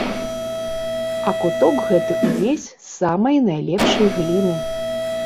А куток гэты ўвесь з самай найлепшай гліны.